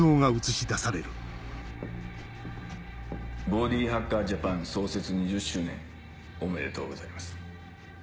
ボディハッカージャパン創設２０周年おめでとうございます。